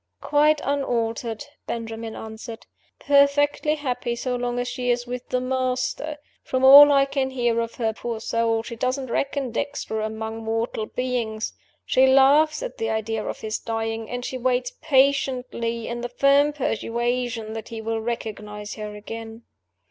"Quite unaltered," Benjamin answered. "Perfectly happy so long as she is with 'the Master.' From all I can hear of her, poor soul, she doesn't reckon Dexter among moral beings. She laughs at the idea of his dying; and she waits patiently, in the firm persuasion that he will recognize her again."